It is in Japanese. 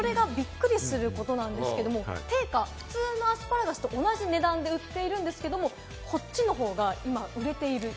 これがびっくりすることなんですけど、普通のアスパラガスと同じ値段で売ってるんですけれども、こっちの方が今、売れている。